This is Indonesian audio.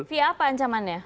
via apa ancamannya